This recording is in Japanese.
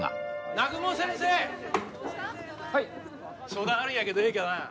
南雲先生、相談あるんやけど、ええかなあ。